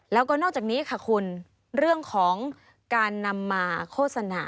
แล้วก็นอกจากนี้ค่ะคุณเรื่องของการนำมาโฆษณา